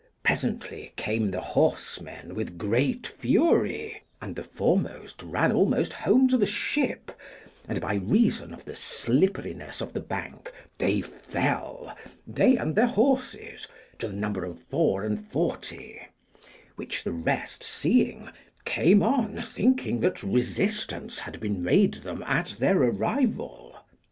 Presently came the horsemen with great fury, and the foremost ran almost home to the ship, and, by reason of the slipperiness of the bank, they fell, they and their horses, to the number of four and forty; which the rest seeing, came on, thinking that resistance had been made them at their arrival.